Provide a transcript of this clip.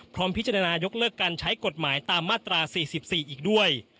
พร้อมพิจารณายกเลิกการใช้กฎหมายตามมาตรา๔๔อีกด้วย